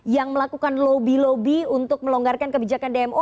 yang melakukan lobby lobby untuk melonggarkan kebijakan dmo